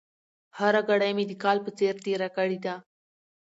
هره ګړۍ مې د کال په څېر تېره کړې ده.